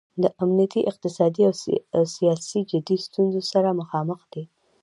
د امنیتي، اقتصادي او سیاسي جدي ستونځو سره مخامخ دی.